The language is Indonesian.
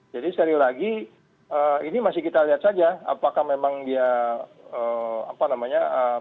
jadi sekali lagi ini masih kita lihat saja apakah memang dia apa namanya